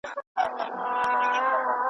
لکه په مني کي له وني رژېدلې پاڼه .